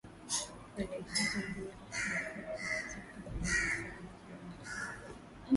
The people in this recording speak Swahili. pande hizo mbili hivi karibuni zilikubaliana kufanya mazungumzo hayo